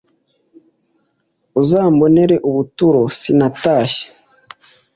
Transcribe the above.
uzambonere ubuturo, sinatashye